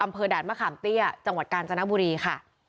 อำเภอด่านมะขามเตี้ยจังหวัดกาญจนบุรีค่ะ